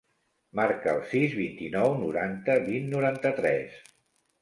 Marca el sis, vint-i-nou, noranta, vint, noranta-tres.